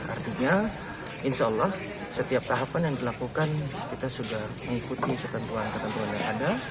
artinya insya allah setiap tahapan yang dilakukan kita sudah mengikuti ketentuan ketentuan yang ada